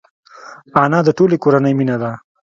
انا د ټولې کورنۍ مینه ده